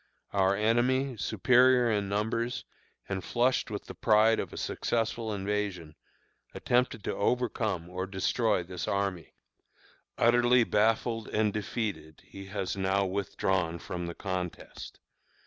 Our enemy, superior in numbers and flushed with the pride of a successful invasion, attempted to overcome or destroy this army. Utterly baffled and defeated, he has now withdrawn from the contest.